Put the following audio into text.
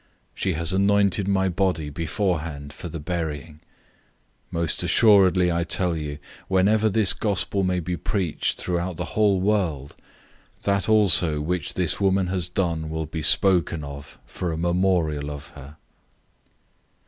She has anointed my body beforehand for the burying. 014:009 Most certainly I tell you, wherever this Good News may be preached throughout the whole world, that which this woman has done will also be spoken of for a memorial of her."